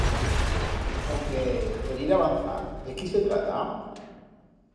Onque, per ir abanzand, de quí se trata?